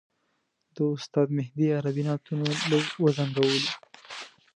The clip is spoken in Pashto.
د استاد مهدي عربي نعتونو لږ وځنګولو.